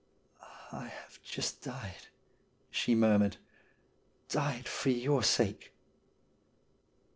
' I have just died,' she murmured —' died for your sake.'